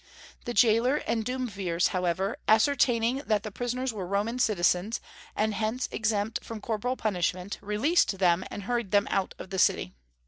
The jailer and the duumvirs, however, ascertaining that the prisoners were Roman citizens and hence exempt from corporal punishment, released them, and hurried them out of the city.